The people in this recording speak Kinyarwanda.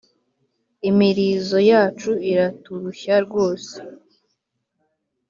« imirizo yacu iraturushya rwose